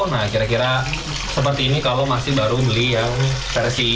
nah kira kira seperti ini kalau masih baru beli yang versi